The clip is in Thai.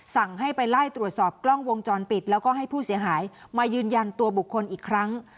สั่งให้ไปไล่ตรวจสอบกล้องวงจรปิดแล้วก็ให้ผู้เสียหายมายืนยันตัวบุคคลอีกครั้ง